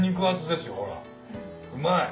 うまい！